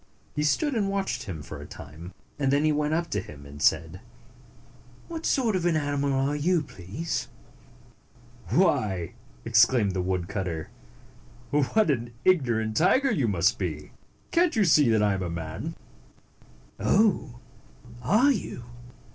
He stood and watched him for a time, and then he went up to him, and said, "What sort of an animal are you, please?" " Why," exclaimed the woodcutter, " what an ignorant tiger you must be! Cant you see that I am a man?" "Oh! Are you?